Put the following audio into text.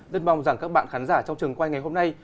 rất mong rằng các bạn khán giả trong trường quay ngày hôm nay